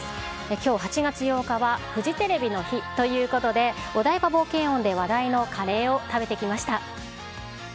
きょう、８月８日はフジテレビの日ということで、お台場冒険王で話題のカレーを食べてきました。